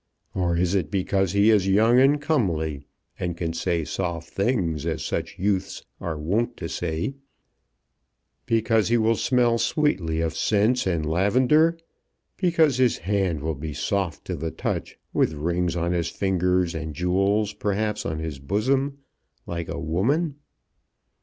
"Or is it because he is young and comely, and can say soft things as such youths are wont to say, because he will smell sweetly of scents and lavender, because his hand will be soft to the touch, with rings on his fingers, and jewels perhaps on his bosom like a woman?"